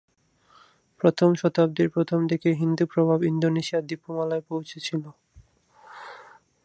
প্রথম শতাব্দীর প্রথম দিকে হিন্দু প্রভাব ইন্দোনেশীয় দ্বীপমালায় পৌঁছেছিল।